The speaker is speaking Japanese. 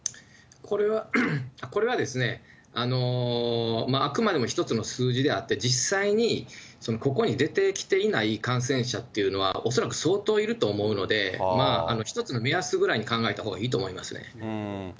これは、あくまでも１つの数字であって、実際にここに出てきていない感染者っていうのは、恐らく相当いると思うので、一つの目安ぐらいに考えたほうがいいと思いますね。